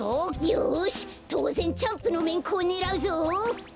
よしとうぜんチャンプのめんこをねらうぞ！